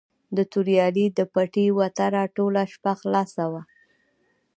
د توریالي د پټي وتره ټوله شپه خلاصه وه.